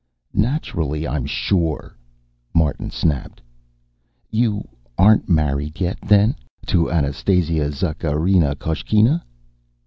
"Naturally I'm sure," Martin snapped. "You aren't married yet, then? To Anastasia Zakharina Koshkina?"